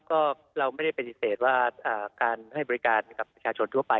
ก็เราไม่ได้ปฏิเสธว่าการให้บริการกับประชาชนทั่วไป